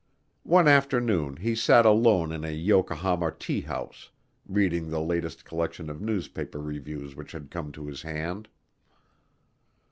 One afternoon he sat alone in a Yokohama tea house, reading the latest collection of newspaper reviews which had come to his hand.